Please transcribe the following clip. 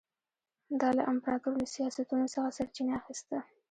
دا له امپراتور له سیاستونو څخه سرچینه اخیسته.